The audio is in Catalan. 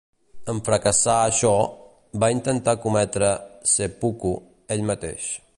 Em fracassar això, va intentar cometre "seppuku" ell mateix.